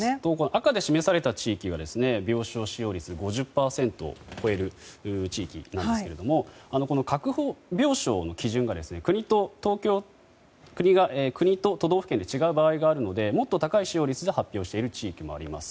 赤で示された地域が病床使用率が５０％を超える地域なんですが確保病床の基準が国と都道府県で違う場合があるのでもっと高い使用率で発表している地域もあります。